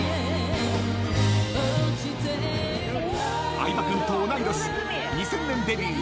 ［相葉君と同い年２０００年デビュー］